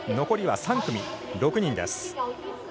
残りは３組６人です。